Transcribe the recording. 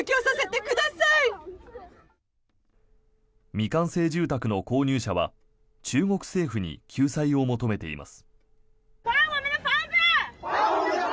未完成住宅の購入者は中国政府に救済を求めています。